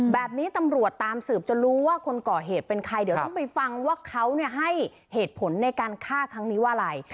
แบบนี้ตำรวจตามสืบจนรู้ว่าคนก่อเหตุเป็นใครเดี๋ยวต้องไปฟังว่าเขาให้เหตุผลในการฆ่าครั้งนี้ว่าอะไร